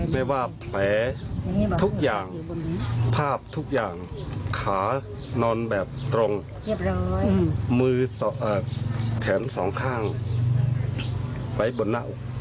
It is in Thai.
ไม่ว่าแผลทุกอย่างภาพทุกอย่างขานอนแบบตรงมือแขนสองข้างไว้บนหน้าอก